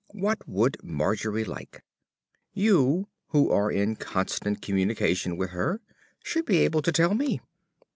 What would Margery like? You, who are in constant communication with her, should be able to tell me.